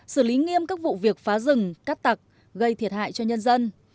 xử lý nghiêm các vụ việc phá rừng cắt tặc gây thiệt hại cho nhân dân